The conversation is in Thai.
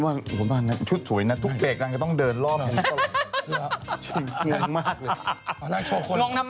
ว่าชุดสวยนะทุกเปรกทำต้องเดินรอบ